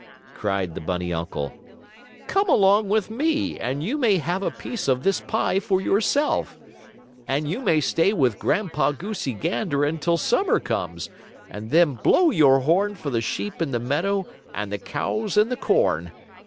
cried the bunny uncle. "Come along with me and you may have a piece of this pie for yourself. And you may stay with Grandpa Goosey Gander until summer comes, and then blow your horn for the sheep in the meadow and the cows in the corn.